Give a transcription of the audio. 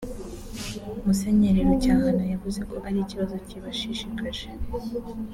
Musenyeri Rucyahana yavuze ko ari ikibazo kibashishikaje